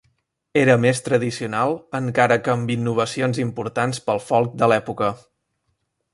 Era més tradicional, encara que amb innovacions importants pel folk de l'època.